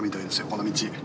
この道。